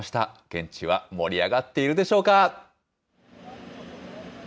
現地は盛り上がってるでしょうか。